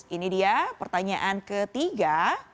ini dia pertanyaan ketiga